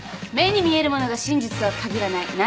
目に見えるものが真実とは限らない。